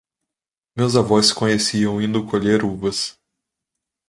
Meus avós se conheciam indo colher uvas.